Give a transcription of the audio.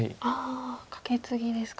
カケツギですか。